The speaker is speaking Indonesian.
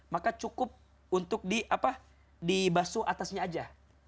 maka cukup untuk dibasu atasnya aja